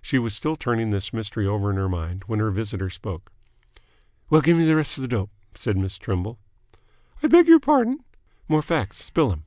She was still turning this mystery over in her mind, when her visitor spoke. "Well, gimme th' rest of th' dope," said Miss Trimble. "I beg your pardon?" "More facts. Spill 'm!"